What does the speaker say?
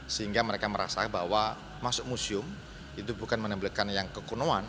sehingga mereka merasa bahwa masuk museum itu bukan menempelkan yang kekunuhan